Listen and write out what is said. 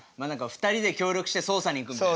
２人で協力してそうさに行くみたいな。